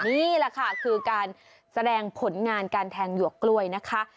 นี่แหละค่ะคือการแสดงผลงานการแทงหยวกกล้วยนะคะ